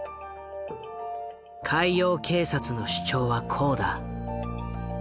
海洋警察の主張はこうだ。